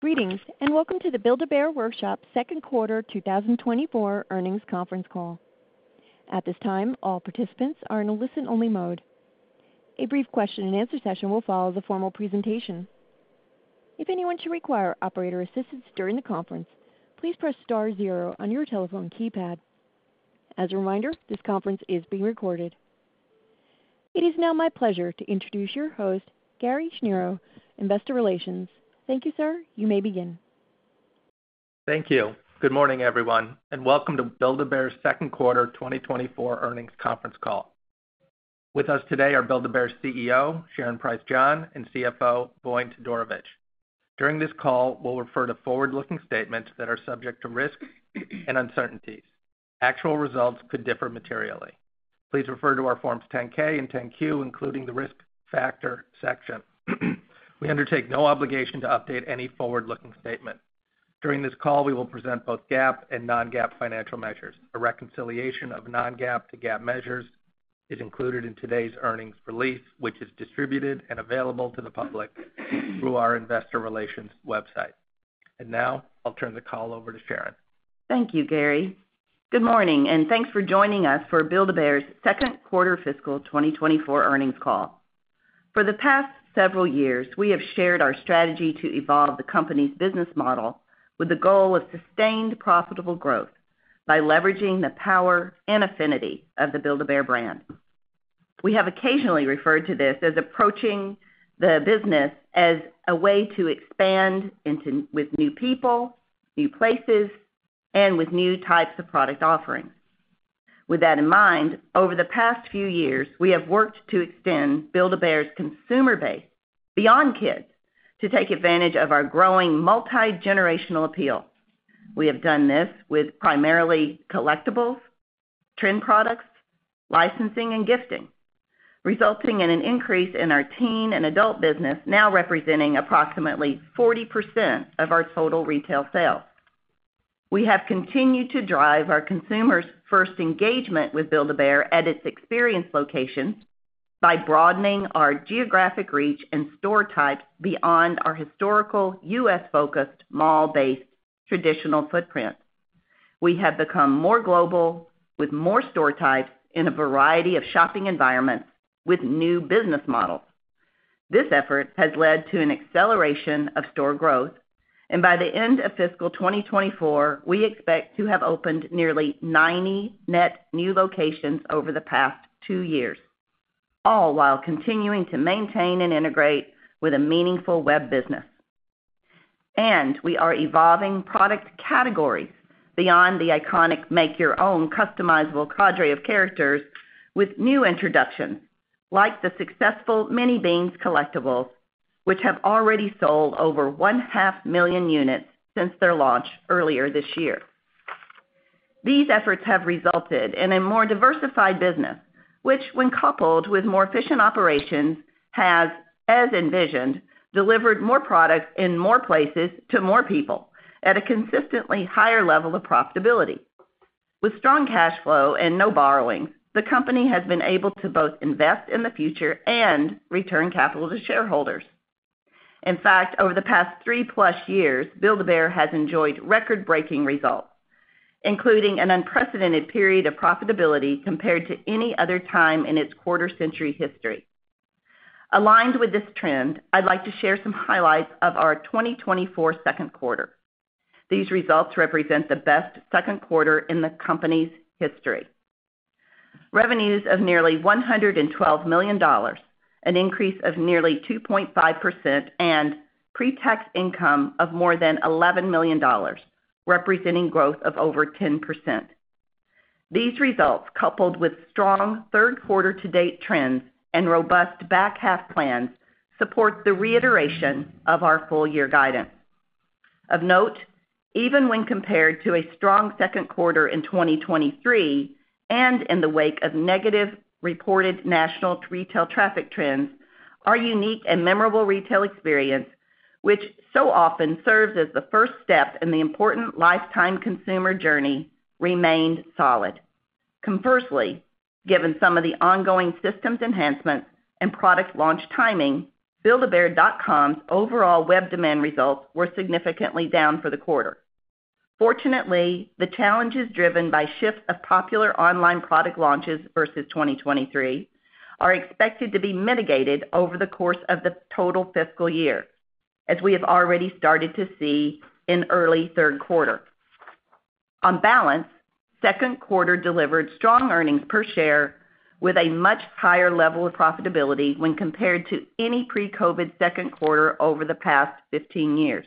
Greetings, and welcome to the Build-A-Bear Workshop second quarter 2024 earnings conference call. At this time, all participants are in a listen-only mode. A brief question-and-answer session will follow the formal presentation. If anyone should require operator assistance during the conference, please press star zero on your telephone keypad. As a reminder, this conference is being recorded. It is now my pleasure to introduce your host, Gary Schnierow, Investor Relations. Thank you, sir. You may begin. Thank you. Good morning, everyone, and welcome to Build-A-Bear's second quarter twenty twenty-four earnings conference call. With us today are Build-A-Bear's CEO, Sharon Price John, and CFO, Voin Todorovic. During this call, we'll refer to forward-looking statements that are subject to risk and uncertainties. Actual results could differ materially. Please refer to our Forms 10-K and 10-Q, including the risk factor section. We undertake no obligation to update any forward-looking statement. During this call, we will present both GAAP and non-GAAP financial measures. A reconciliation of non-GAAP to GAAP measures is included in today's earnings release, which is distributed and available to the public through our investor relations website. And now, I'll turn the call over to Sharon. Thank you, Gary. Good morning, and thanks for joining us for Build-A-Bear's second quarter fiscal twenty twenty-four earnings call. For the past several years, we have shared our strategy to evolve the company's business model with the goal of sustained profitable growth by leveraging the power and affinity of the Build-A-Bear brand. We have occasionally referred to this as approaching the business as a way to expand into with new people, new places, and with new types of product offerings. With that in mind, over the past few years, we have worked to extend Build-A-Bear's consumer base beyond kids to take advantage of our growing multigenerational appeal. We have done this with primarily collectibles, trend products, licensing, and gifting, resulting in an increase in our teen and adult business, now representing approximately 40% of our total retail sales. We have continued to drive our consumers' first engagement with Build-A-Bear at its experience locations by broadening our geographic reach and store types beyond our historical U.S.-focused, mall-based, traditional footprint. We have become more global, with more store types in a variety of shopping environments with new business models. This effort has led to an acceleration of store growth, and by the end of fiscal 2024, we expect to have opened nearly 90 net new locations over the past two years, all while continuing to maintain and integrate with a meaningful web business. And we are evolving product categories beyond the iconic Make Your Own customizable cadre of characters with new introductions, like the successful Mini Beans collectibles, which have already sold over 1.5 million units since their launch earlier this year. These efforts have resulted in a more diversified business, which, when coupled with more efficient operations, has, as envisioned, delivered more products in more places to more people at a consistently higher level of profitability. With strong cash flow and no borrowing, the company has been able to both invest in the future and return capital to shareholders. In fact, over the 3+ years, Build-A-Bear has enjoyed record-breaking results, including an unprecedented period of profitability compared to any other time in its quarter-century history. Aligned with this trend, I'd like to share some highlights of our 2024 second quarter. These results represent the best second quarter in the company's history. Revenues of nearly $112 million, an increase of nearly 2.5%, and pretax income of more than $11 million, representing growth of over 10%. These results, coupled with strong third-quarter-to-date trends and robust back-half plans, support the reiteration of our full-year guidance. Of note, even when compared to a strong second quarter in 2023, and in the wake of negative reported national retail traffic trends, our unique and memorable retail experience, which so often serves as the first step in the important lifetime consumer journey, remained solid. Conversely, given some of the ongoing systems enhancements and product launch timing, buildabear.com's overall web demand results were significantly down for the quarter. Fortunately, the challenges driven by shifts of popular online product launches versus 2023 are expected to be mitigated over the course of the total fiscal year, as we have already started to see in early third quarter. On balance, second quarter delivered strong earnings per share with a much higher level of profitability when compared to any pre-COVID second quarter over the past fifteen years.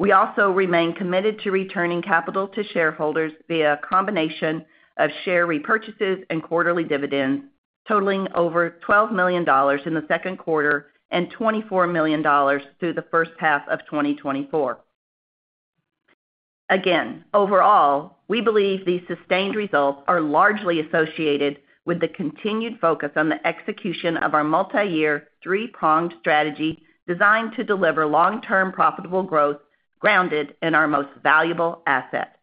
We also remain committed to returning capital to shareholders via a combination of share repurchases and quarterly dividends, totaling over $12 million in the second quarter and $24 million through the first half of 2024. Again, overall, we believe these sustained results are largely associated with the continued focus on the execution of our multiyear, three-pronged strategy, designed to deliver long-term profitable growth grounded in our most valuable asset,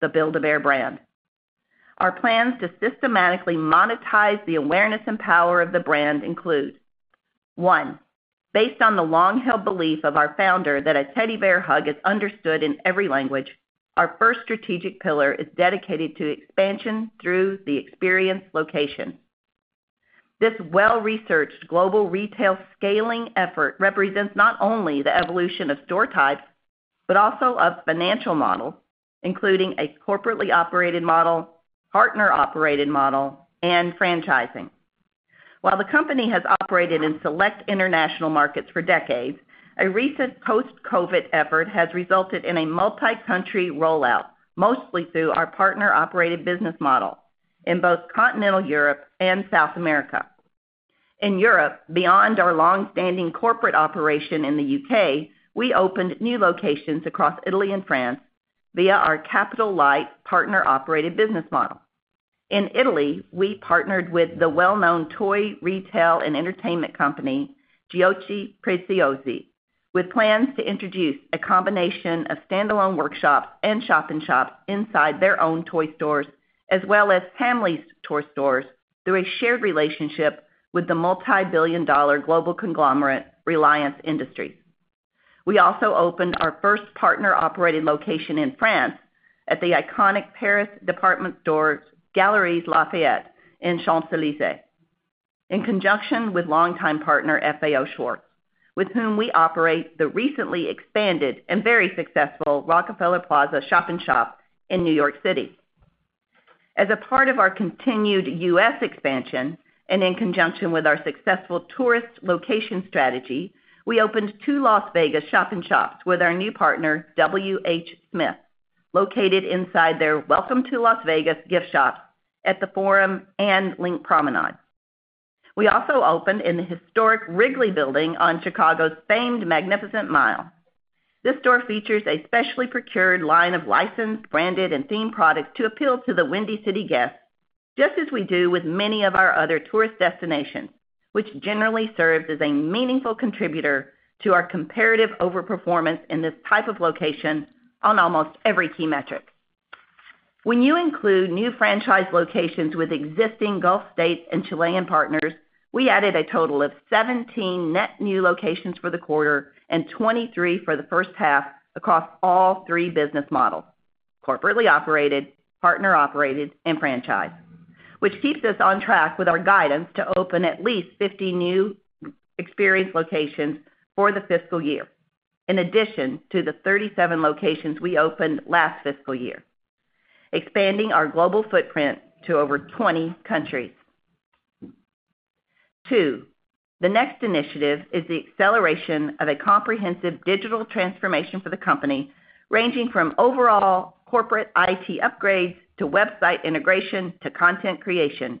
the Build-A-Bear brand. Our plans to systematically monetize the awareness and power of the brand include: one, based on the long-held belief of our founder that a teddy bear hug is understood in every language, our first strategic pillar is dedicated to expansion through the experience location. This well-researched global retail scaling effort represents not only the evolution of store types, but also of financial models, including a corporately operated model, partner-operated model, and franchising. While the company has operated in select international markets for decades, a recent post-COVID effort has resulted in a multi-country rollout, mostly through our partner-operated business model, in both continental Europe and South America. In Europe, beyond our long-standing corporate operation in the U.K., we opened new locations across Italy and France via our capital-light partner-operated business model. In Italy, we partnered with the well-known toy retail and entertainment company, Giochi Preziosi, with plans to introduce a combination of standalone workshops and shop-in-shops inside their own toy stores, as well as Hamleys toy stores through a shared relationship with the multi-billion dollar global conglomerate, Reliance Industries. We also opened our first partner-operated location in France at the iconic Paris department store, Galeries Lafayette, in Champs-Élysées, in conjunction with longtime partner, FAO Schwarz, with whom we operate the recently expanded and very successful Rockefeller Plaza shop-in-shop in New York City. As a part of our continued U.S. expansion, and in conjunction with our successful tourist location strategy, we opened two Las Vegas shop-in-shops with our new partner, WH Smith, located inside their Welcome to Las Vegas gift shop at the Forum and LINQ Promenade. We also opened in the historic Wrigley Building on Chicago's famed Magnificent Mile. This store features a specially procured line of licensed, branded, and themed products to appeal to the Windy City guests, just as we do with many of our other tourist destinations, which generally serves as a meaningful contributor to our comparative overperformance in this type of location on almost every key metric. When you include new franchise locations with existing Gulf States and Chilean partners, we added a total of 17 net new locations for the quarter and 23 for the first half across all three business models: corporately operated, partner operated, and franchise, which keeps us on track with our guidance to open at least 50 new experience locations for the fiscal year, in addition to the 37 locations we opened last fiscal year, expanding our global footprint to over twenty countries. Two, the next initiative is the acceleration of a comprehensive digital transformation for the company, ranging from overall corporate IT upgrades to website integration to content creation,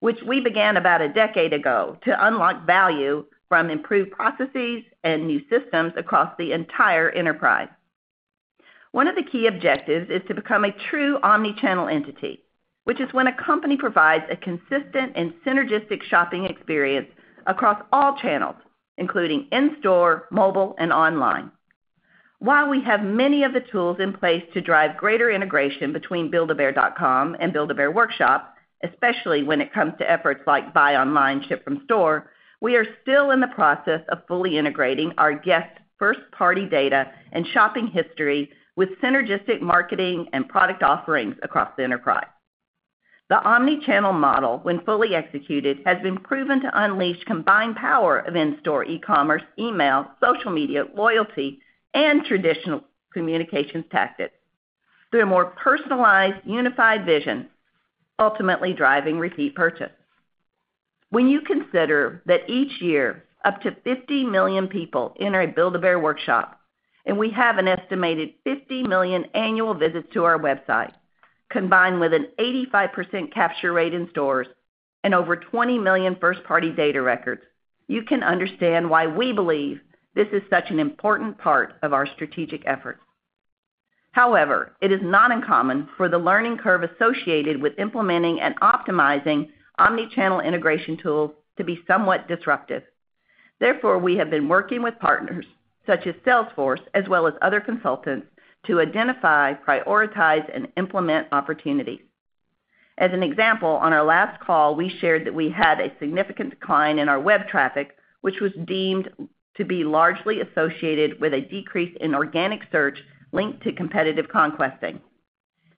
which we began about a decade ago to unlock value from improved processes and new systems across the entire enterprise. One of the key objectives is to become a true omni-channel entity, which is when a company provides a consistent and synergistic shopping experience across all channels, including in-store, mobile, and online. While we have many of the tools in place to drive greater integration between buildabear.com and Build-A-Bear Workshop, especially when it comes to efforts like buy online, ship from store, we are still in the process of fully integrating our guest first-party data and shopping history with synergistic marketing and product offerings across the enterprise. The omni-channel model, when fully executed, has been proven to unleash combined power of in-store e-commerce, email, social media, loyalty, and traditional communications tactics through a more personalized, unified vision, ultimately driving repeat purchase. When you consider that each year, up to 50 million people enter a Build-A-Bear Workshop, and we have an estimated 50 million annual visits to our website, combined with an 85% capture rate in stores and over 20 million first-party data records, you can understand why we believe this is such an important part of our strategic effort. However, it is not uncommon for the learning curve associated with implementing and optimizing omni-channel integration tools to be somewhat disruptive. Therefore, we have been working with partners such as Salesforce, as well as other consultants, to identify, prioritize, and implement opportunities. As an example, on our last call, we shared that we had a significant decline in our web traffic, which was deemed to be largely associated with a decrease in organic search linked to competitive conquesting.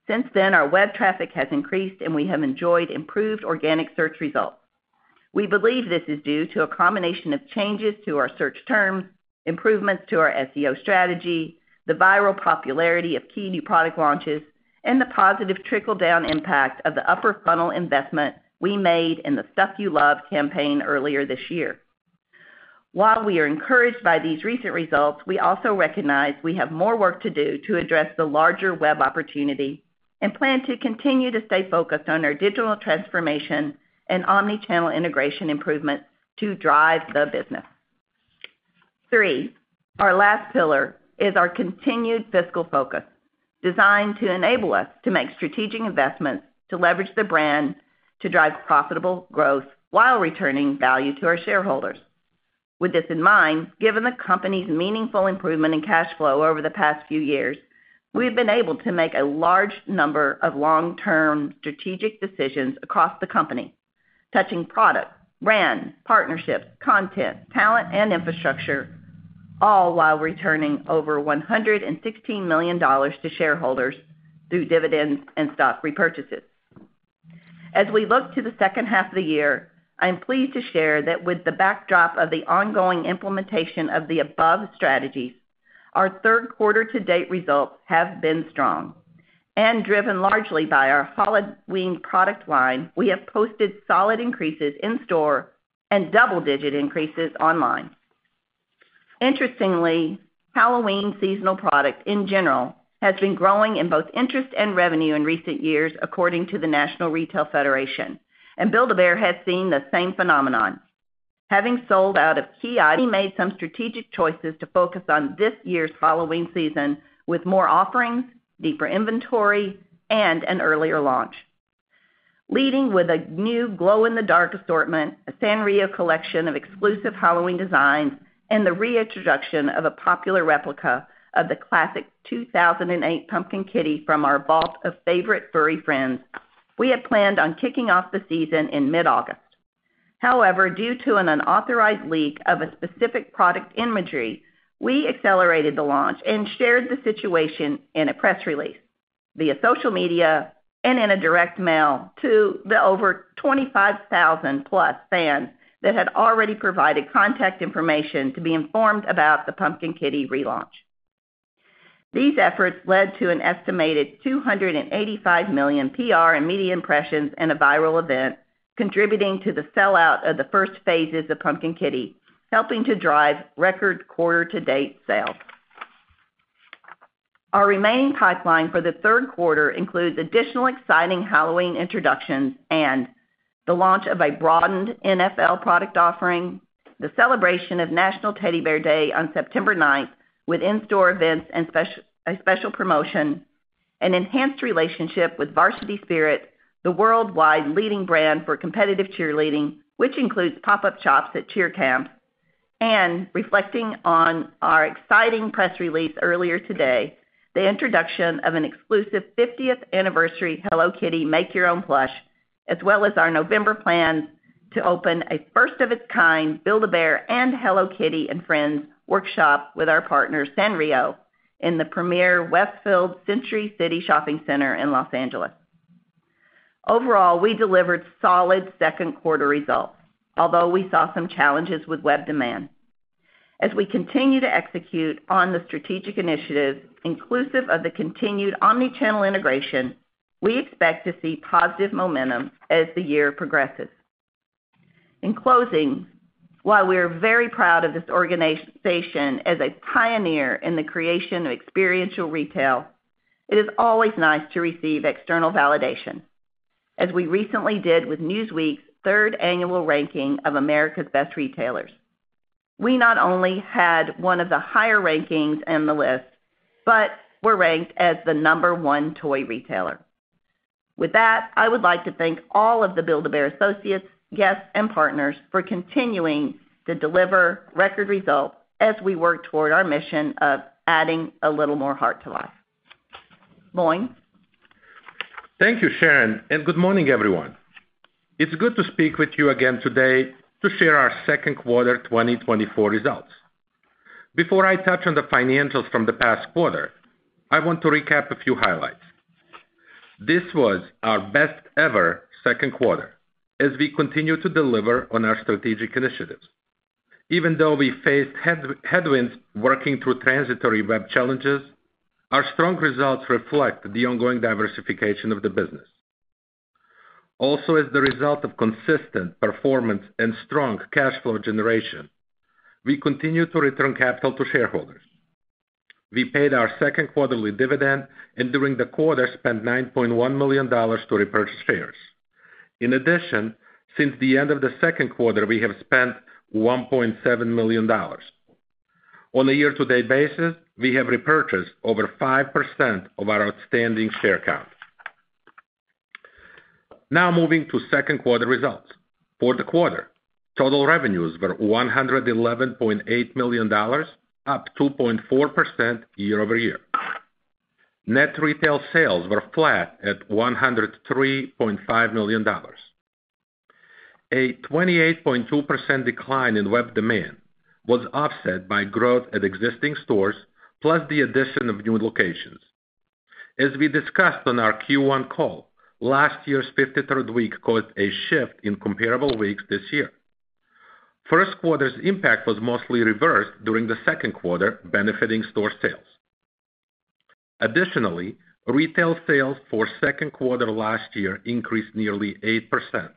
Since then, our web traffic has increased, and we have enjoyed improved organic search results. We believe this is due to a combination of changes to our search terms, improvements to our SEO strategy, the viral popularity of key new product launches, and the positive trickle-down impact of the upper funnel investment we made in the Stuff You Love campaign earlier this year. While we are encouraged by these recent results, we also recognize we have more work to do to address the larger web opportunity and plan to continue to stay focused on our digital transformation and omni-channel integration improvements to drive the business. Third, our last pillar is our continued fiscal focus, designed to enable us to make strategic investments, to leverage the brand, to drive profitable growth while returning value to our shareholders. With this in mind, given the company's meaningful improvement in cash flow over the past few years, we've been able to make a large number of long-term strategic decisions across the company, touching product, brand, partnerships, content, talent, and infrastructure, all while returning over $116 million to shareholders through dividends and stock repurchases. As we look to the second half of the year, I'm pleased to share that with the backdrop of the ongoing implementation of the above strategies, our third quarter to-date results have been strong, and driven largely by our Halloween product line, we have posted solid increases in-store and double-digit increases online. Interestingly, Halloween seasonal product, in general, has been growing in both interest and revenue in recent years, according to the National Retail Federation, and Build-A-Bear has seen the same phenomenon. Having sold out of key items, we made some strategic choices to focus on this year's Halloween season, with more offerings, deeper inventory, and an earlier launch. Leading with a new glow-in-the-dark assortment, a Sanrio collection of exclusive Halloween designs, and the reintroduction of a popular replica of the classic 2008 Pumpkin Kitty from our Vault of Favorite Furry Friends, we had planned on kicking off the season in mid-August. However, due to an unauthorized leak of a specific product imagery, we accelerated the launch and shared the situation in a press release, via social media, and in a direct mail to the over 25,000+ fans that had already provided contact information to be informed about the Pumpkin Kitty relaunch. These efforts led to an estimated 285 million PR and media impressions and a viral event, contributing to the sell-out of the first phases of Pumpkin Kitty, helping to drive record quarter-to-date sales. Our remaining pipeline for the third quarter includes additional exciting Halloween introductions and the launch of a broadened NFL product offering, the celebration of National Teddy Bear Day on September 9th, with in-store events and a special promotion, an enhanced relationship with Varsity Spirit, the worldwide leading brand for competitive cheerleading, which includes pop-up shops at cheer camps, and reflecting on our exciting press release earlier today, the introduction of an exclusive 50th Anniversary Hello Kitty Make Your Own Plush, as well as our November plans to open a first of its kind Build-A-Bear and Hello Kitty and Friends workshop with our partner, Sanrio, in the premier Westfield Century City Shopping Center in Los Angeles. Overall, we delivered solid second quarter results, although we saw some challenges with web demand. As we continue to execute on the strategic initiative, inclusive of the continued omni-channel integration, we expect to see positive momentum as the year progresses. In closing, while we are very proud of this organization as a pioneer in the creation of experiential retail, it is always nice to receive external validation, as we recently did with Newsweek's 3rd annual ranking of America's Best Retailers. We not only had one of the higher rankings in the list, but were ranked as the number one toy retailer. With that, I would like to thank all of the Build-A-Bear associates, guests, and partners for continuing to deliver record results as we work toward our mission of adding a little more heart to life. Voin? Thank you, Sharon, and good morning, everyone. It's good to speak with you again today to share our second quarter 2024 results. Before I touch on the financials from the past quarter, I want to recap a few highlights. This was our best ever second quarter as we continue to deliver on our strategic initiatives. Even though we faced headwinds working through transitory web challenges, our strong results reflect the ongoing diversification of the business. Also, as the result of consistent performance and strong cash flow generation, we continue to return capital to shareholders. We paid our second quarterly dividend, and during the quarter, spent $9.1 million to repurchase shares. In addition, since the end of the second quarter, we have spent $1.7 million. On a year-to-date basis, we have repurchased over 5% of our outstanding share count. Now moving to second quarter results. For the quarter, total revenues were $111.8 million, up 2.4% year-over-year. Net retail sales were flat at $103.5 million. A 28.2% decline in web demand was offset by growth at existing stores, plus the addition of new locations. As we discussed on our Q1 call, last year's 53rd week caused a shift in comparable weeks this year. First quarter's impact was mostly reversed during the second quarter, benefiting store sales. Additionally, retail sales for second quarter last year increased nearly 8%,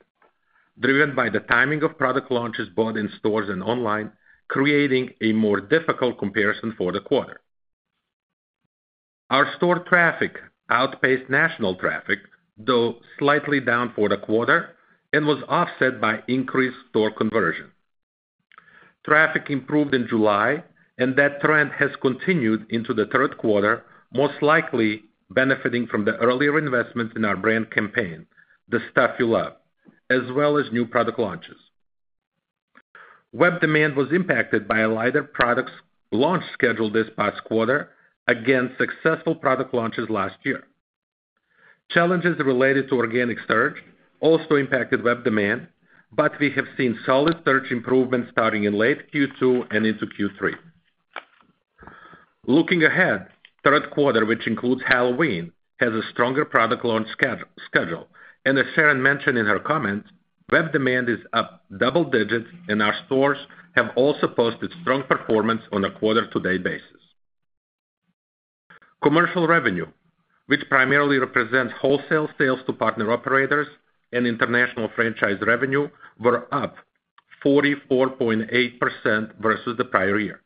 driven by the timing of product launches brought in stores and online, creating a more difficult comparison for the quarter. Our store traffic outpaced national traffic, though slightly down for the quarter and was offset by increased store conversion. Traffic improved in July, and that trend has continued into the third quarter, most likely benefiting from the earlier investments in our brand campaign… The Stuff You Love, as well as new product launches. Web demand was impacted by a lighter products launch schedule this past quarter against successful product launches last year. Challenges related to organic search also impacted web demand, but we have seen solid search improvements starting in late Q2 and into Q3. Looking ahead, third quarter, which includes Halloween, has a stronger product launch schedule, and as Sharon mentioned in her comments, web demand is up double digits, and our stores have also posted strong performance on a quarter-to-date basis. Commercial revenue, which primarily represents wholesale sales to partner operators and international franchise revenue, were up 44.8% versus the prior year.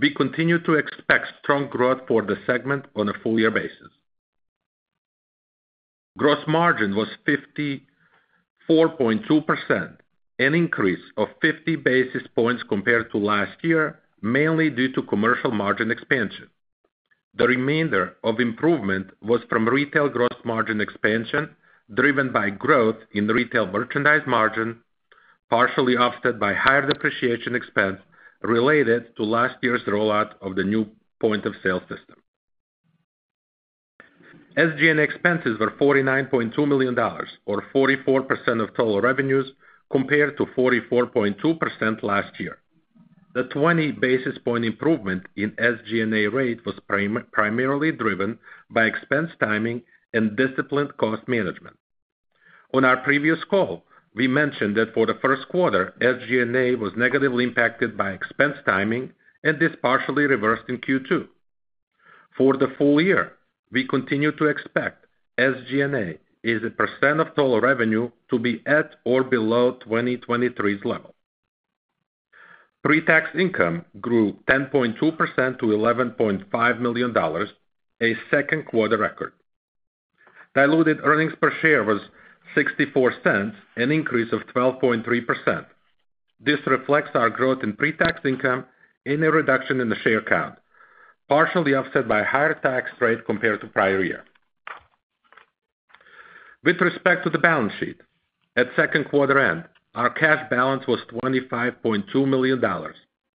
We continue to expect strong growth for the segment on a full year basis. Gross margin was 54.2%, an increase of 50 basis points compared to last year, mainly due to commercial margin expansion. The remainder of improvement was from retail gross margin expansion, driven by growth in the retail merchandise margin, partially offset by higher depreciation expense related to last year's rollout of the new point-of-sale system. SG&A expenses were $49.2 million, or 44% of total revenues, compared to 44.2% last year. The 20 basis point improvement in SG&A rate was primarily driven by expense timing and disciplined cost management. On our previous call, we mentioned that for the first quarter, SG&A was negatively impacted by expense timing, and this partially reversed in Q2. For the full year, we continue to expect SG&A as a percent of total revenue to be at or below 2023's level. Pre-tax income grew 10.2% to $11.5 million, a second quarter record. Diluted earnings per share was $0.64, an increase of 12.3%. This reflects our growth in pre-tax income and a reduction in the share count, partially offset by a higher tax rate compared to prior year. With respect to the balance sheet, at second quarter end, our cash balance was $25.2 million,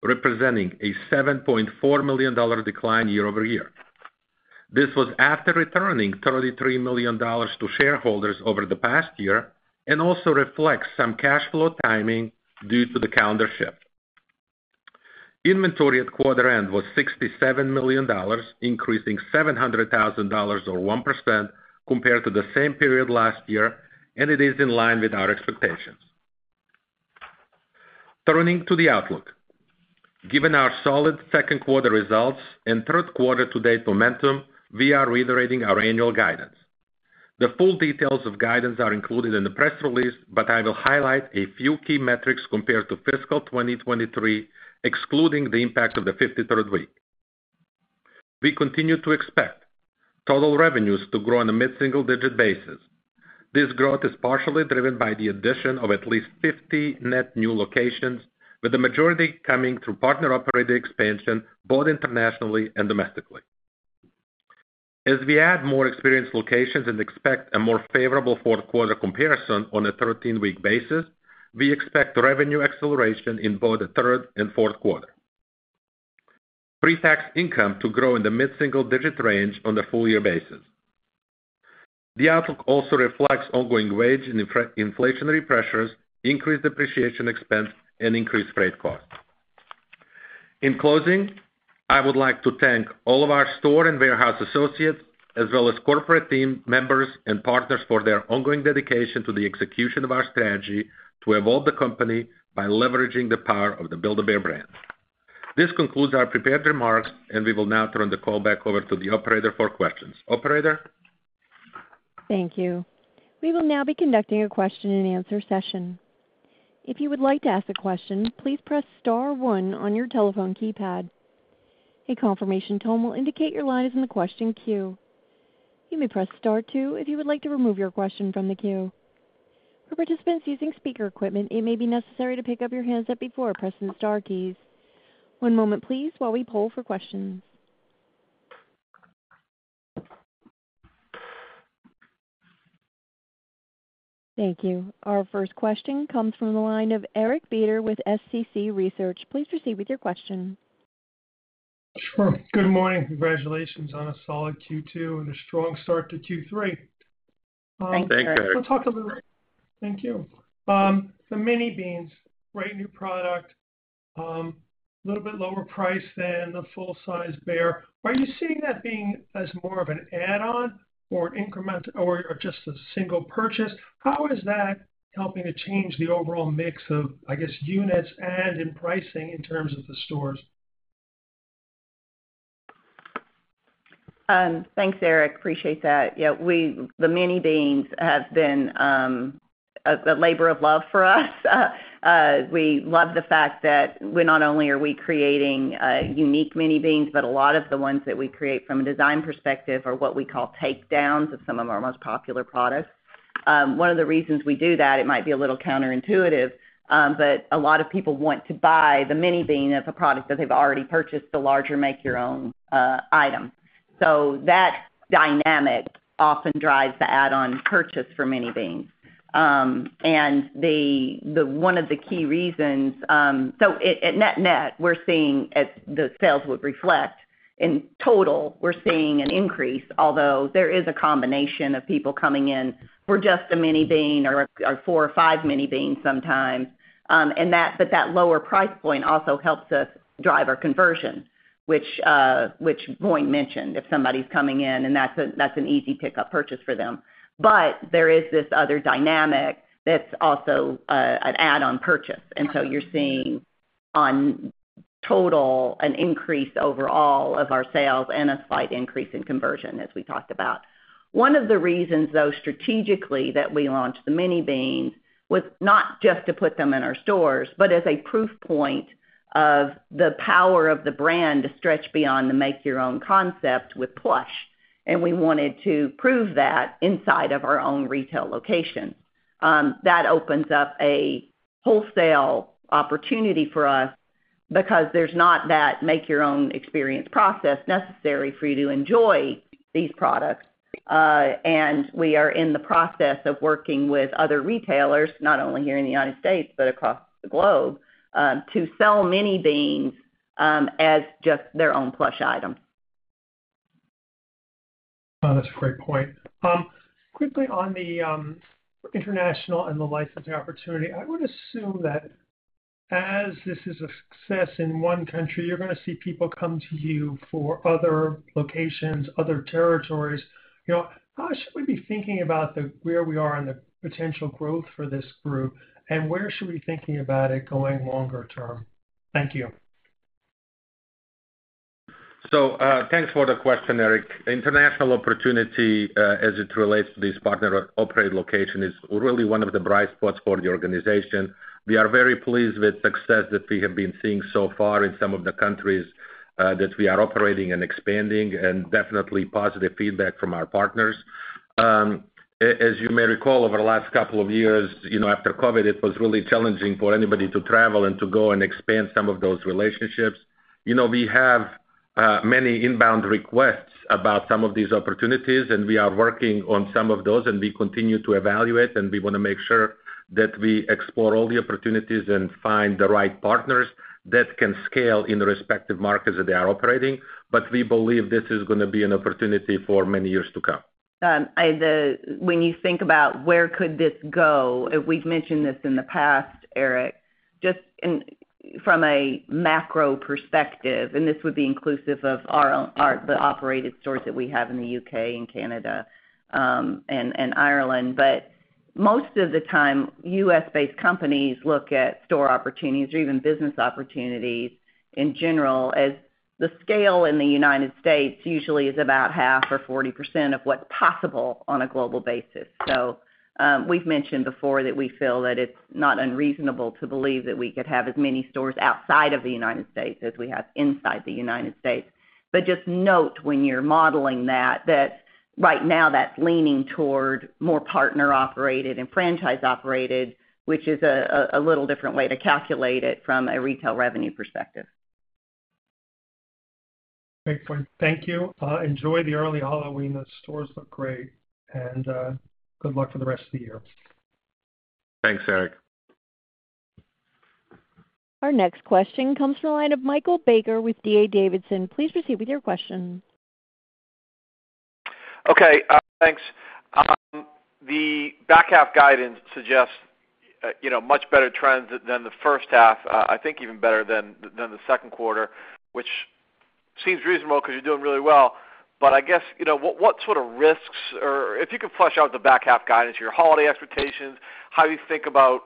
representing a $7.4 million decline year-over-year. This was after returning $33 million to shareholders over the past year, and also reflects some cash flow timing due to the calendar shift. Inventory at quarter end was $67 million, increasing $700,000 or 1% compared to the same period last year, and it is in line with our expectations. Turning to the outlook. Given our solid second quarter results and third quarter to date momentum, we are reiterating our annual guidance. The full details of guidance are included in the press release, but I will highlight a few key metrics compared to fiscal 2023, excluding the impact of the 53rd week. We continue to expect total revenues to grow on a mid-single digit basis. This growth is partially driven by the addition of at least 50 net new locations, with the majority coming through partner-operated expansion, both internationally and domestically. As we add more experiential locations and expect a more favorable fourth quarter comparison on a 13-week basis, we expect revenue acceleration in both the third and fourth quarter. Pre-tax income to grow in the mid-single digit range on a full year basis. The outlook also reflects ongoing wage and infrastructure inflationary pressures, increased depreciation expense, and increased freight costs. In closing, I would like to thank all of our store and warehouse associates, as well as corporate team members and partners, for their ongoing dedication to the execution of our strategy to evolve the company by leveraging the power of the Build-A-Bear brand. This concludes our prepared remarks, and we will now turn the call back over to the operator for questions. Operator? Thank you. We will now be conducting a question-and-answer session. If you would like to ask a question, please press star one on your telephone keypad. A confirmation tone will indicate your line is in the question queue. You may press star two if you would like to remove your question from the queue. For participants using speaker equipment, it may be necessary to pick up your handset before pressing the star keys. One moment, please, while we poll for questions. Thank you. Our first question comes from the line of Eric Beder with SCC Research. Please proceed with your question. Sure. Good morning. Congratulations on a solid Q2 and a strong start to Q3. Thank you. So talk a little... Thank you. The Mini Beans, great new product, little bit lower price than the full-size bear. Are you seeing that being as more of an add-on or increment or, or just a single purchase? How is that helping to change the overall mix of, I guess, units and in pricing in terms of the stores? Thanks, Eric. Appreciate that. Yeah, we-- the Mini Beans have been a labor of love for us. We love the fact that we-- not only are we creating unique Mini Beans, but a lot of the ones that we create from a design perspective are what we call takedowns of some of our most popular products. One of the reasons we do that, it might be a little counterintuitive, but a lot of people want to buy the Mini Bean as a product that they've already purchased, the larger Make Your Own item. So that dynamic often drives the add-on purchase for Mini Beans. That's one of the key reasons, so at net-net, we're seeing, as the sales would reflect, in total, we're seeing an increase, although there is a combination of people coming in for just a Mini Bean or four or five Mini Beans sometimes. That lower price point also helps us drive our conversion, which Voin mentioned, if somebody's coming in, and that's an easy pickup purchase for them. There is this other dynamic that's also an add-on purchase, and so you're seeing in total an increase overall of our sales and a slight increase in conversion, as we talked about. One of the reasons, though, strategically, that we launched the Mini Beans was not just to put them in our stores, but as a proof point of the power of the brand to stretch beyond the Make-Your-Own concept with plush. And we wanted to prove that inside of our own retail location. That opens up a wholesale opportunity for us because there's not that Make-Your-Own experience process necessary for you to enjoy these products. And we are in the process of working with other retailers, not only here in the United States, but across the globe, to sell Mini Beans, as just their own plush item. That's a great point. Quickly on the international and the licensing opportunity, I would assume that as this is a success in one country, you're gonna see people come to you for other locations, other territories. You know, how should we be thinking about where we are in the potential growth for this group, and where should we be thinking about it going longer term? Thank you. Thanks for the question, Eric. International opportunity, as it relates to this partner-operated location, is really one of the bright spots for the organization. We are very pleased with success that we have been seeing so far in some of the countries that we are operating and expanding, and definitely positive feedback from our partners. As you may recall, over the last couple of years, you know, after COVID, it was really challenging for anybody to travel and to go and expand some of those relationships. You know, we have many inbound requests about some of these opportunities, and we are working on some of those, and we continue to evaluate, and we wanna make sure that we explore all the opportunities and find the right partners that can scale in the respective markets that they are operating. But we believe this is gonna be an opportunity for many years to come. When you think about where could this go, and we've mentioned this in the past, Eric, just from a macro perspective, and this would be inclusive of our own operated stores that we have in the U.K. and Canada, and Ireland. But most of the time, U.S.-based companies look at store opportunities or even business opportunities in general, as the scale in the United States usually is about half or 40% of what's possible on a global basis, so we've mentioned before that we feel that it's not unreasonable to believe that we could have as many stores outside of the United States as we have inside the United States. But just note, when you're modeling that, that right now, that's leaning toward more partner-operated and franchise-operated, which is a little different way to calculate it from a retail revenue perspective. Great point. Thank you. Enjoy the early Halloween. The stores look great, and good luck for the rest of the year. Thanks, Eric. Our next question comes from the line of Michael Baker with D.A. Davidson. Please proceed with your question. Okay, thanks. The back half guidance suggests, you know, much better trends than the first half, I think even better than the second quarter, which seems reasonable because you're doing really well. But I guess, you know, what sort of risks or if you could flesh out the back half guidance, your holiday expectations, how you think about,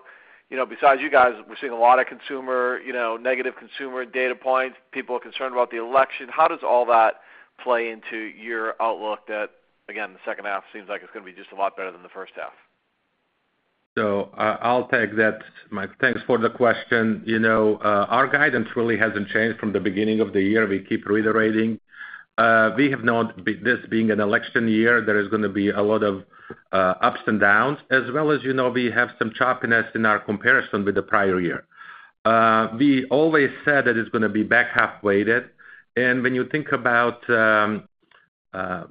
you know, besides you guys, we're seeing a lot of consumer, you know, negative consumer data points. People are concerned about the election. How does all that play into your outlook that, again, the second half seems like it's gonna be just a lot better than the first half? So, I'll take that, Mike. Thanks for the question. You know, our guidance really hasn't changed from the beginning of the year. We keep reiterating. We have known this being an election year, there is gonna be a lot of ups and downs, as well as, you know, we have some choppiness in our comparison with the prior year. We always said that it's gonna be back half-weighted. And when you think about,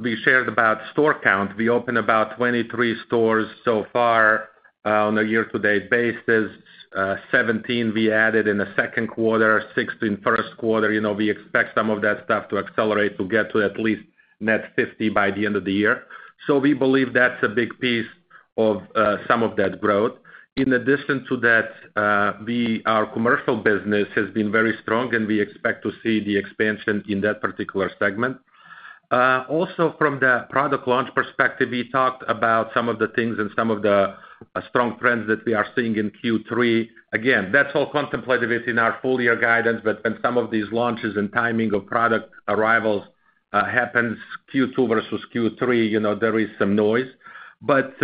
we shared about store count, we opened about 23 stores so far, on a year-to-date basis. 17 we added in the second quarter, six in first quarter. You know, we expect some of that stuff to accelerate to get to at least net 50 by the end of the year. So we believe that's a big piece of some of that growth. In addition to that, our commercial business has been very strong, and we expect to see the expansion in that particular segment. Also from the product launch perspective, we talked about some of the things and some of the, strong trends that we are seeing in Q3. Again, that's all contemplated within our full year guidance, but when some of these launches and timing of product arrivals, happens, Q2 versus Q3, you know, there is some noise, but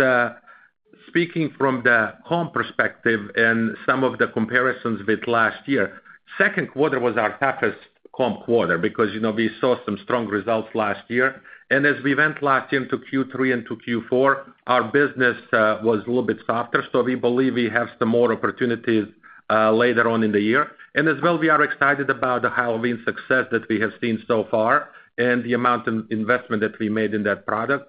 speaking from the comp perspective and some of the comparisons with last year, second quarter was our toughest comp quarter because, you know, we saw some strong results last year. And as we went last year into Q3 and to Q4, our business, was a little bit softer, so we believe we have some more opportunities, later on in the year. As well, we are excited about the Halloween success that we have seen so far and the amount of investment that we made in that product.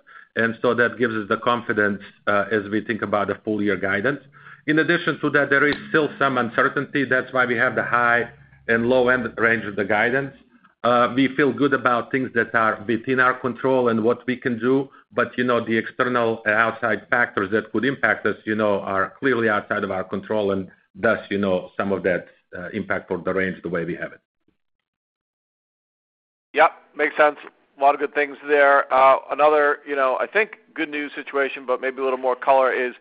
So that gives us the confidence, as we think about the full-year guidance. In addition to that, there is still some uncertainty. That's why we have the high and low-end range of the guidance. We feel good about things that are within our control and what we can do, but, you know, the external and outside factors that could impact us, you know, are clearly outside of our control, and thus, you know, some of that, impact for the range the way we have it. Yep, makes sense. A lot of good things there. Another, you know, I think good news situation, but maybe a little more color is,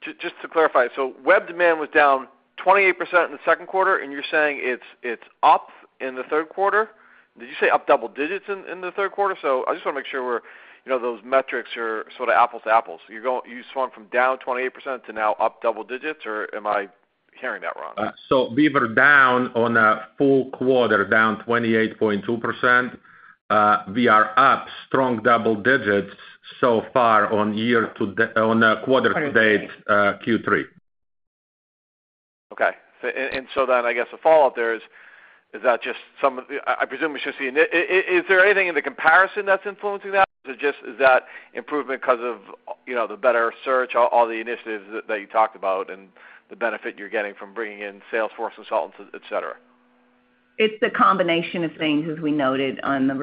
just, just to clarify, so web demand was down 28% in the second quarter, and you're saying it's up in the third quarter? Did you say up double digits in the third quarter? So I just want to make sure we're, you know, those metrics are sort of apples to apples. You swung from down 28% to now up double digits, or am I hearing that wrong? So we were down on a full quarter, down 28.2%. We are up strong double digits so far on a quarter to date, Q3. Okay. And so then I guess the follow-up there is, is that just some of the... I presume we should see, is there anything in the comparison that's influencing that? Or just is that improvement because of, you know, the better search, all the initiatives that you talked about and the benefit you're getting from bringing in Salesforce consultants, et cetera? It's a combination of things, as we noted in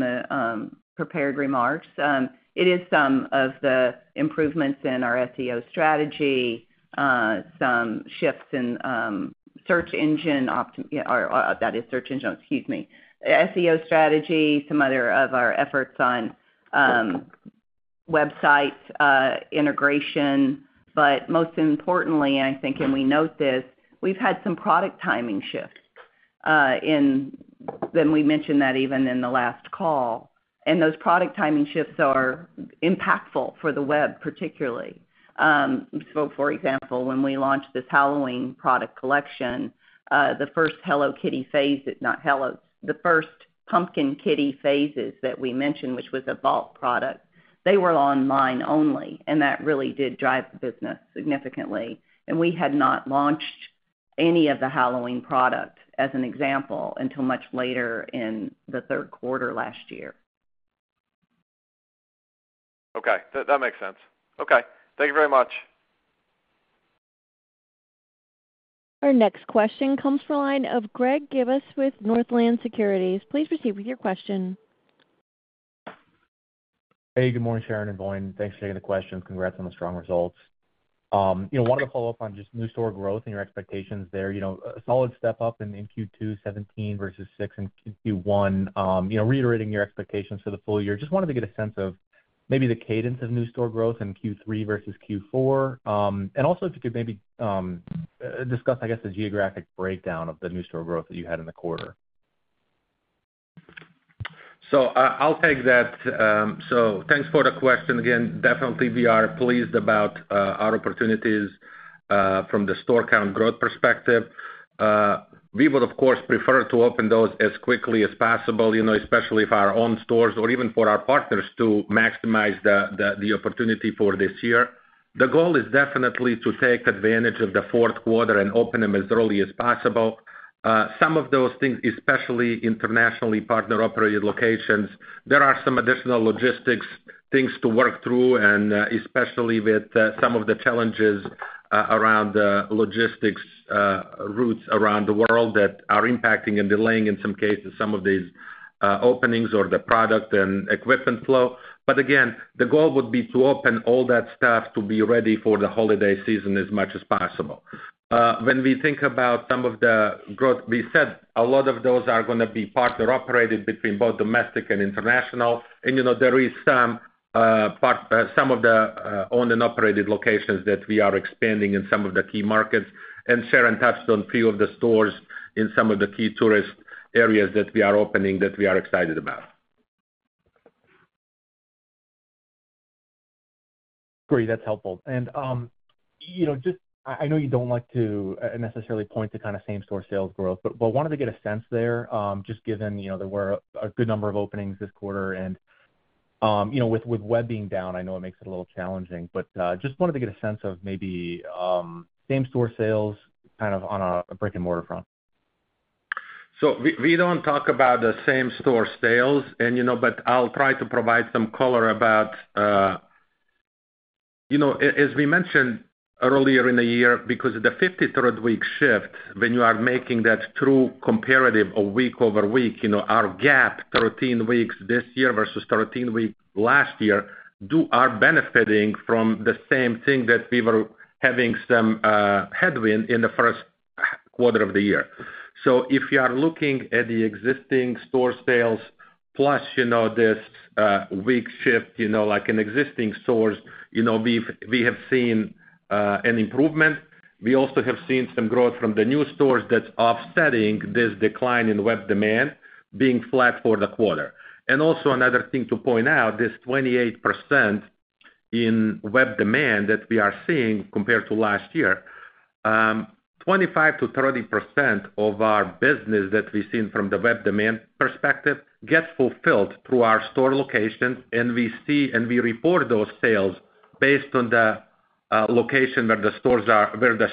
the prepared remarks. It is some of the improvements in our SEO strategy, some shifts in search engine optimization, or that is search engine, excuse me, SEO strategy, some other of our efforts on website integration. But most importantly, and I think, and we note this, we've had some product timing shifts. We mentioned that even in the last call. And those product timing shifts are impactful for the web, particularly. For example, when we launched this Halloween product collection, the first Hello Kitty phase, not Hello - the first Pumpkin Kitty phases that we mentioned, which was a vault product, they were online only, and that really did drive the business significantly. We had not launched any of the Halloween product, as an example, until much later in the third quarter last year. Okay, that makes sense. Okay. Thank you very much. Our next question comes from the line of Greg Gibas with Northland Securities. Please proceed with your question. Hey, good morning, Sharon and Voin. Thanks for taking the questions. Congrats on the strong results. You know, wanted to follow up on just new store growth and your expectations there. You know, a solid step up in Q2 17 versus six in Q1. You know, reiterating your expectations for the full year. Just wanted to get a sense of maybe the cadence of new store growth in Q3 versus Q4. And also, if you could maybe discuss, I guess, the geographic breakdown of the new store growth that you had in the quarter. So, I'll take that. So thanks for the question again. Definitely, we are pleased about our opportunities from the store count growth perspective. We would, of course, prefer to open those as quickly as possible, you know, especially for our own stores or even for our partners to maximize the opportunity for this year. The goal is definitely to take advantage of the fourth quarter and open them as early as possible. Some of those things, especially internationally partner-operated locations, there are some additional logistics things to work through, and especially with some of the challenges around the logistics routes around the world that are impacting and delaying, in some cases, some of these openings or the product and equipment flow. But again, the goal would be to open all that stuff to be ready for the holiday season as much as possible. When we think about some of the growth, we said a lot of those are gonna be partner-operated between both domestic and international. And you know, there is some of the owned and operated locations that we are expanding in some of the key markets, and Sharon touched on a few of the stores in some of the key tourist areas that we are opening, that we are excited about. Great, that's helpful. And, you know, just... I know you don't like to necessarily point to kind of same-store sales growth, but wanted to get a sense there, just given, you know, there were a good number of openings this quarter, and, you know, with web being down, I know it makes it a little challenging. But, just wanted to get a sense of maybe, same-store sales kind of on a brick-and-mortar front. So we don't talk about the same-store sales, and you know, but I'll try to provide some color about. You know, as we mentioned earlier in the year, because of the 53rd-week shift, when you are making that true comparative of week-over-week, you know, our comp 13 weeks this year versus 13-week last year are benefiting from the same thing that we were having some headwind in the first quarter of the year. So if you are looking at the existing store sales plus, you know, this week shift, you know, like in existing stores, you know, we've seen an improvement. We also have seen some growth from the new stores that's offsetting this decline in web demand being flat for the quarter. Also another thing to point out, this 28% in web demand that we are seeing compared to last year, 25%-30% of our business that we've seen from the web demand perspective gets fulfilled through our store locations, and we see, and we report those sales based on the location where the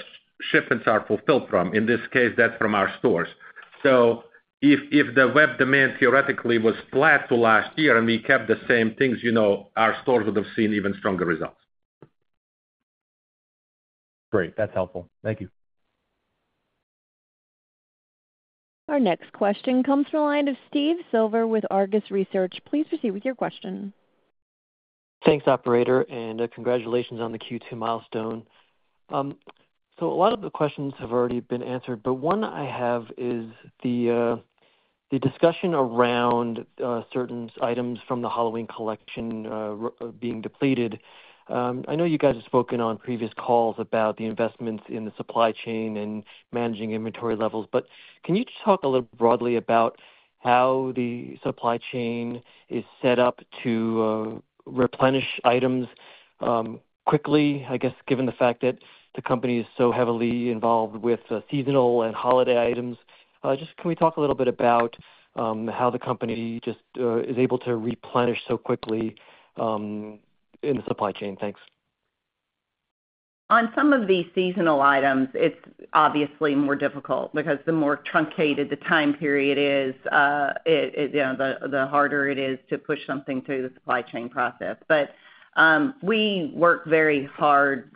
shipments are fulfilled from. In this case, that's from our stores. So if the web demand theoretically was flat to last year and we kept the same things, you know, our stores would have seen even stronger results. Great, that's helpful. Thank you. Our next question comes from the line of Steve Silver with Argus Research. Please proceed with your question. Thanks, operator, and, congratulations on the Q2 milestone. So a lot of the questions have already been answered, but one I have is the discussion around certain items from the Halloween collection being depleted. I know you guys have spoken on previous calls about the investments in the supply chain and managing inventory levels, but can you just talk a little broadly about how the supply chain is set up to replenish items quickly? I guess, given the fact that the company is so heavily involved with seasonal and holiday items. Just, can we talk a little bit about how the company just is able to replenish so quickly in the supply chain? Thanks. On some of the seasonal items, it's obviously more difficult because the more truncated the time period is, you know, the harder it is to push something through the supply chain process. But we work very hard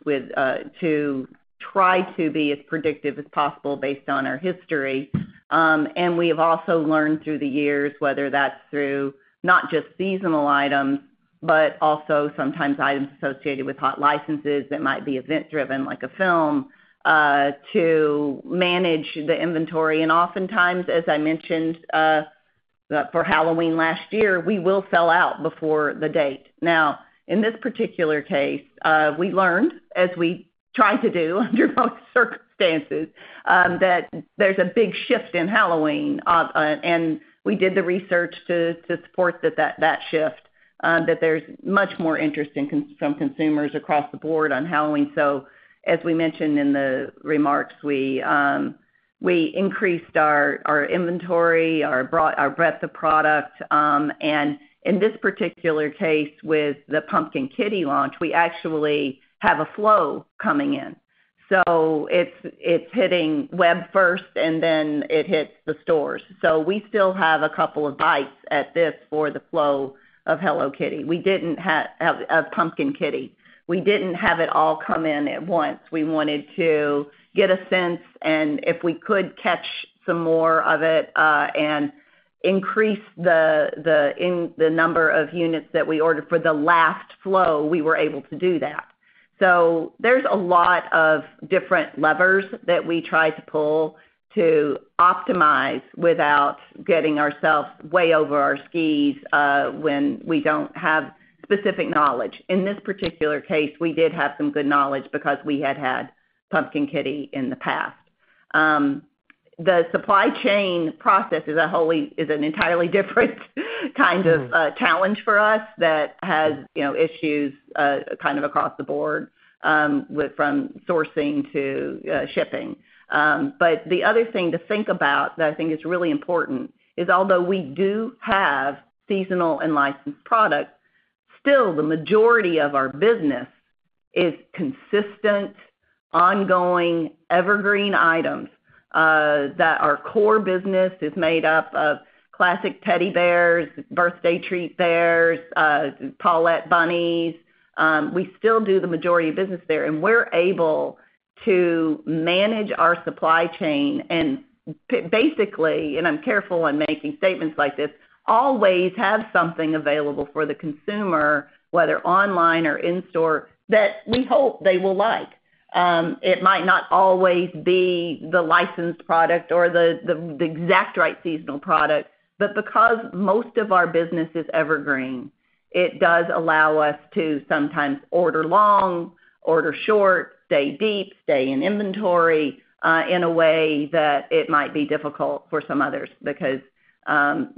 to try to be as predictive as possible based on our history. And we've also learned through the years, whether that's through not just seasonal items, but also sometimes items associated with hot licenses that might be event-driven, like a film, to manage the inventory. And oftentimes, as I mentioned, for Halloween last year, we will sell out before the date. Now, in this particular case, we learned, as we tried to do under most circumstances, that there's a big shift in Halloween. And we did the research to support that shift, that there's much more interest in costumes from consumers across the board on Halloween. So as we mentioned in the remarks, we increased our inventory, our breadth of product, and in this particular case, with the Pumpkin Kitty launch, we actually have a flow coming in. So it's hitting web first, and then it hits the stores. So we still have a couple of bites at this for the flow of Hello Kitty. We didn't have of Pumpkin Kitty. We didn't have it all come in at once. We wanted to get a sense, and if we could catch some more of it, and increase the number of units that we ordered for the last flow, we were able to do that. So there's a lot of different levers that we try to pull to optimize without getting ourselves way over our skis when we don't have specific knowledge. In this particular case, we did have some good knowledge because we had had Pumpkin Kitty in the past. The supply chain process is an entirely different kind of. Mm-hmm. A challenge for us that has, you know, issues kind of across the board, with from sourcing to shipping. But the other thing to think about, that I think is really important, is although we do have seasonal and licensed product, still the majority of our business is consistent, ongoing, evergreen items. That our core business is made up of classic teddy bears, Birthday Treat Bears, Pawlette bunnies. We still do the majority of business there, and we're able to manage our supply chain and basically, and I'm careful when making statements like this, always have something available for the consumer, whether online or in store, that we hope they will like. It might not always be the licensed product or the exact right seasonal product, but because most of our business is evergreen, it does allow us to sometimes order long, order short, stay deep, stay in inventory in a way that it might be difficult for some others. Because again,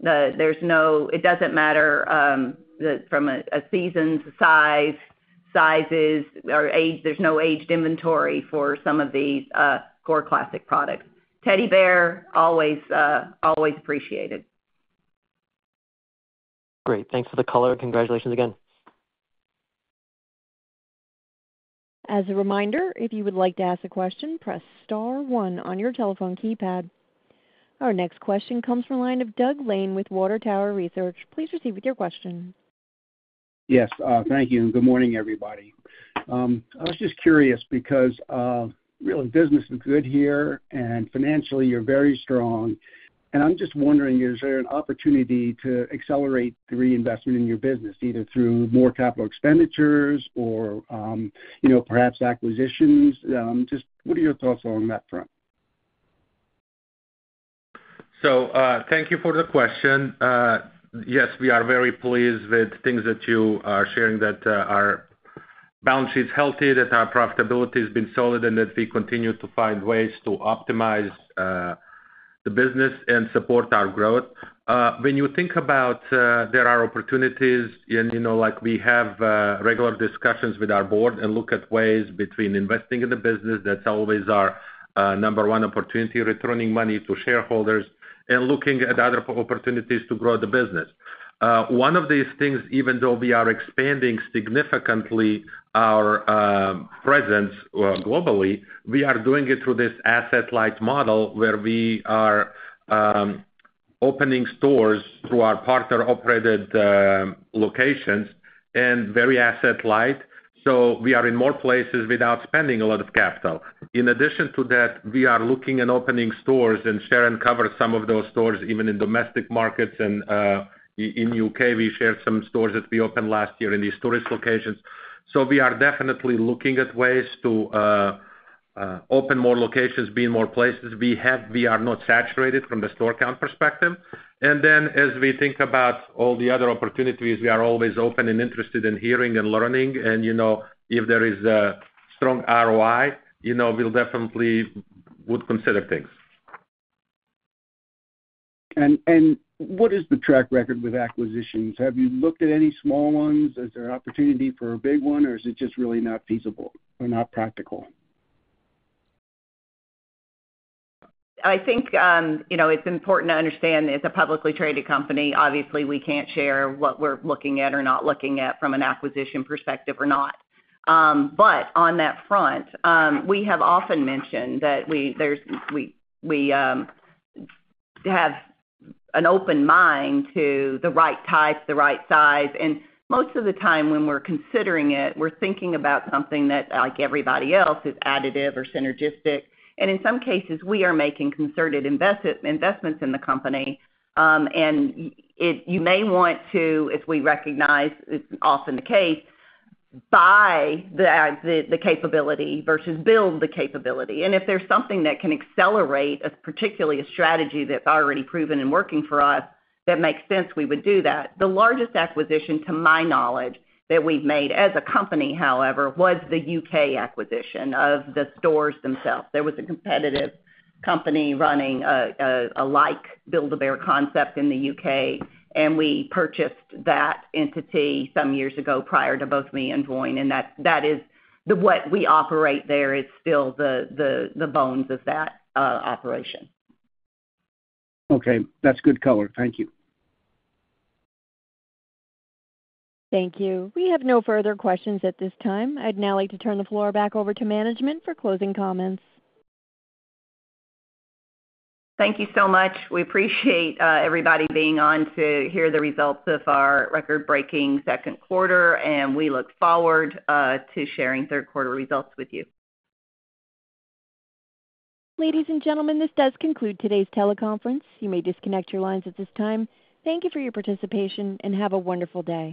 it doesn't matter from a season to size or age, there's no aged inventory for some of these core classic products. Teddy bear always appreciated. Great. Thanks for the color. Congratulations again. As a reminder, if you would like to ask a question, press star one on your telephone keypad. Our next question comes from line of Doug Lane with Water Tower Research. Please proceed with your question. Yes, thank you, and good morning, everybody. I was just curious because, really, business is good here, and financially, you're very strong. And I'm just wondering, is there an opportunity to accelerate the reinvestment in your business, either through more capital expenditures or, you know, perhaps acquisitions? Just what are your thoughts on that front? So, thank you for the question. Yes, we are very pleased with things that you are sharing, that, our balance sheet's healthy, that our profitability has been solid, and that we continue to find ways to optimize, the business and support our growth. When you think about, there are opportunities and, you know, like we have, regular discussions with our board and look at ways between investing in the business, that's always our, number one opportunity, returning money to shareholders and looking at other opportunities to grow the business. One of these things, even though we are expanding significantly our, presence, globally, we are doing it through this asset-light model, where we are, opening stores through our partner-operated, locations and very asset light. So we are in more places without spending a lot of capital. In addition to that, we are looking at opening stores, and Sharon covered some of those stores, even in domestic markets and in U.K., we shared some stores that we opened last year in these tourist locations, so we are definitely looking at ways to open more locations, be in more places. We are not saturated from the store count perspective, and then as we think about all the other opportunities, we are always open and interested in hearing and learning, and, you know, if there is a strong ROI, you know, we'll definitely would consider things. What is the track record with acquisitions? Have you looked at any small ones? Is there an opportunity for a big one, or is it just really not feasible or not practical? I think, you know, it's important to understand, as a publicly traded company, obviously, we can't share what we're looking at or not looking at from an acquisition perspective or not. But on that front, we have often mentioned that we have an open mind to the right type, the right size, and most of the time, when we're considering it, we're thinking about something that, like everybody else, is additive or synergistic. And in some cases, we are making concerted investments in the company, and it's often the case to buy the capability versus build the capability. And if there's something that can accelerate, particularly a strategy that's already proven and working for us, that makes sense, we would do that. The largest acquisition, to my knowledge, that we've made as a company, however, was the U.K. acquisition of the stores themselves. There was a competitive company running a like Build-A-Bear concept in the U.K., and we purchased that entity some years ago prior to both me and Voin, and that—what we operate there is still the bones of that operation. Okay. That's good color. Thank you. Thank you. We have no further questions at this time. I'd now like to turn the floor back over to management for closing comments. Thank you so much. We appreciate everybody being on to hear the results of our record-breaking second quarter, and we look forward to sharing third quarter results with you. Ladies and gentlemen, this does conclude today's teleconference. You may disconnect your lines at this time. Thank you for your participation, and have a wonderful day.